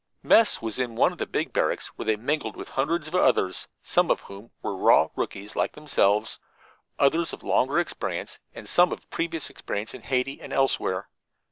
Mess was in one of the big barracks, where they mingled with hundreds of others, some of whom were raw rookies like themselves, others of longer experience, and some of previous service in Haiti and elsewhere.